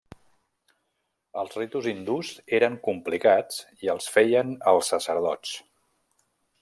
Els ritus hindús eren complicats i els feien els sacerdots.